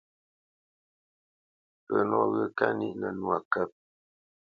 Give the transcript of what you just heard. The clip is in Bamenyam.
Pə nɔwyə̂ kâ níʼ nə́ nwâ kə̂p.